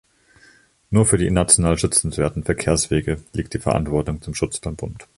Nur für die national schützenswerten Verkehrswege liegt die Verantwortung zum Schutz beim Bund.